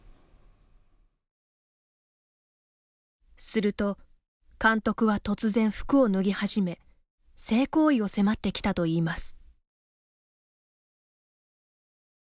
すると、監督は突然服を脱ぎ始め性行為を迫ってきたといいます。